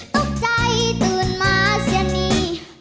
ตกใจตื่นมาเสียนี